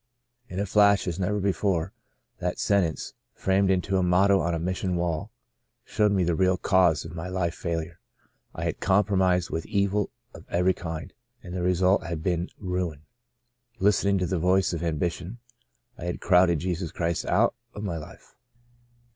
In a flash, as never before, that sentence, framed into a motto on a mission wall, showed me the real cause of my life failure. I had compromised with evil of every kind, and the result had been — ruin. Listening to the voice of ambi tion, I had crowded Jesus Christ out of my life."